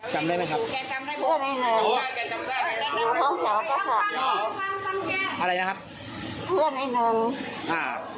จำได้ไหมครับอยู่ห้องแถวก็จับอะไรนะครับเพื่อนไอ้หนึ่งอ่า